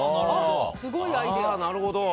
すごいアイデア。